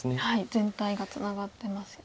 全体がツナがってますよね。